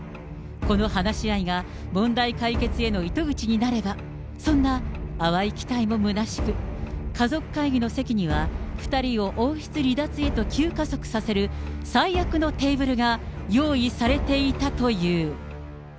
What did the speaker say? この話し合いが問題解決への糸口になれば、そんな淡い期待もむなしく、家族会議の席には、２人を王室離脱へと急加速させる最悪のテーブルが用意されていたという。